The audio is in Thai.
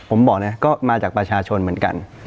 ผมบอกนะก็มาจากประชาชนเหมือนกัน